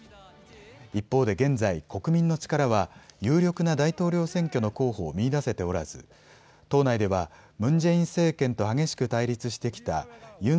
一方で現在、国民の力は有力な大統領選挙の候補を見いだせておらず党内ではムン・ジェイン政権と激しく対立してきたユン・